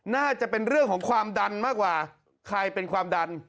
น่าจะเป็นเรื่องของความดันมากกว่าใครเป็นความดัน